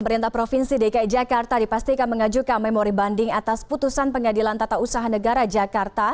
pemerintah provinsi dki jakarta dipastikan mengajukan memori banding atas putusan pengadilan tata usaha negara jakarta